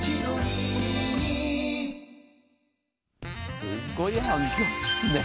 すっごい反響ですね。